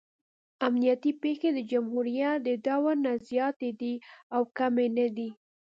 امنیتي پېښې د جمهوریت د دور نه زیاتې دي او کمې نه دي.